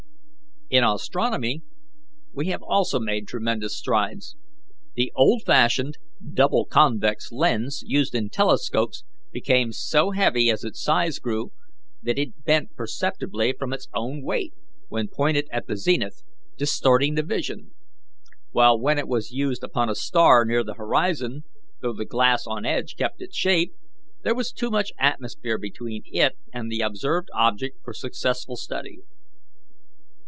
"In astronomy we have also made tremendous strides. The old fashioned double convex lens used in telescopes became so heavy as its size grew, that it bent perceptibly from its own weight, when pointed at the zenith, distorting the vision; while when it was used upon a star near the horizon, though the glass on edge kept its shape, there was too much atmosphere between it and the observed object for successful study.